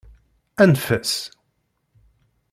Anef-as!